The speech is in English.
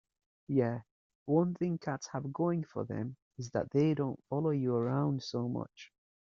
Yeah, one thing cats have going for them is that they don't follow you around so much.